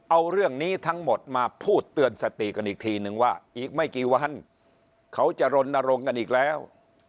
เอาเรื่องนี้ทั้งหมดมาพูดเตือนสติกันอีกทีนึงว่าอีกไม่กี่วันเขาจะรณรงค์กันอีกแล้ว